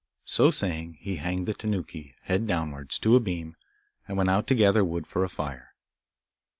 So saying, he hanged the Tanuki, head downwards, to a beam, and went out to gather wood for a fire.